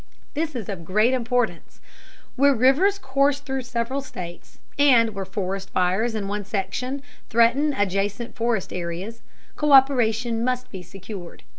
This is of great importance. Where rivers course through several states, and where forest fires in one section threaten adjacent forest areas, co÷peration must be secured.